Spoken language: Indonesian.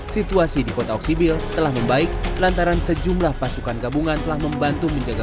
situasi di kota oksibil telah membaik lantaran sejumlah pasukan gabungan telah membantu menjaga